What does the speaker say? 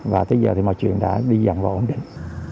và tới giờ mọi chuyện đã đi dặn và ổn định